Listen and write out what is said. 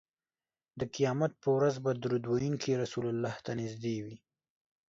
د قیامت په ورځ به درود ویونکی رسول الله ته نږدې وي